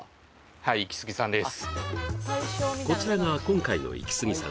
はいイキスギさんです